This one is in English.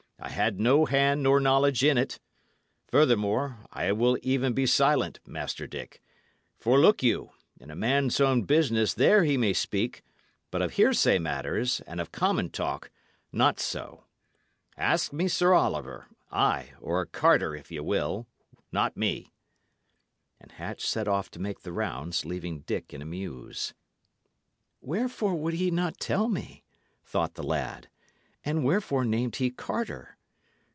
"I had no hand nor knowledge in it; furthermore, I will even be silent, Master Dick. For look you, in a man's own business there he may speak; but of hearsay matters and of common talk, not so. Ask me Sir Oliver ay, or Carter, if ye will; not me." And Hatch set off to make the rounds, leaving Dick in a muse. "Wherefore would he not tell me?" thought the lad. "And wherefore named he Carter?